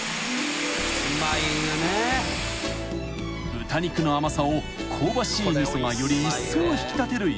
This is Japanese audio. ［豚肉の甘さを香ばしい味噌がよりいっそう引き立てる一品］